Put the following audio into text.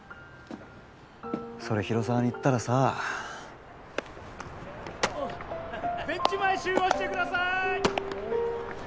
それ広沢に言ったらさ・ベンチ前集合してください